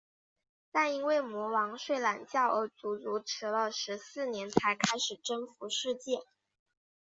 但因为魔王睡懒觉而足足迟了十四年才开始征服世界。